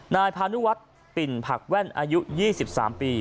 นายพานุวัฒน์ปิ่นผักแว่นอายุ๒๓ปี